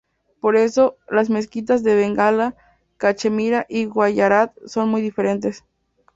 Por eso, las mezquitas de Bengala, Cachemira y Guyarat son muy diferentes.